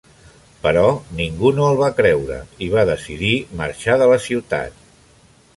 Però ningú no el va creure i va decidir marxar de la ciutat.